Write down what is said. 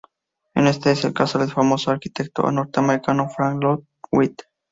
Este es el caso del famoso arquitecto norteamericano Frank Lloyd Wright.